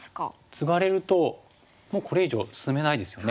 ツガれるともうこれ以上進めないですよね。